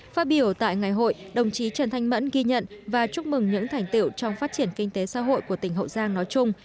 phát biểu tại ngày hội đồng chí trần thanh mẫn ghi nhận và chúc mừng những thành tiệu trong phát triển kinh tế xã hội của tỉnh hậu giang nói chung